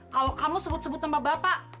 kalau kamu sebut sebut sama bapak